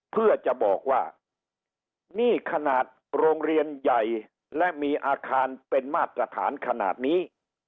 เพื่อจะบอกว่านี่ขนาดโรงเรียนใหญ่และมีอาคารเป็นมาตรฐานขนาดนี้